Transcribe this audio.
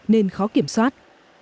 nên khó kiểm soát